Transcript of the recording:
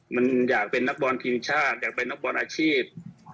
มันอยากเป็นนักบอลทีมชาติอยากเป็นนักบอลอาชีพ